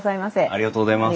ありがとうございます。